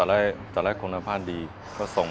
pembangunan durian ekspor